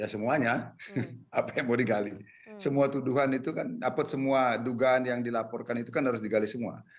semuanya apa yang mau digali semua tuduhan itu kan dapat semua dugaan yang dilaporkan itu kan harus digali semua